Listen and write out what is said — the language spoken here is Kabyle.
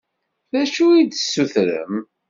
D acu i as-d-tessutrem?